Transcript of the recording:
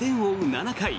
７回。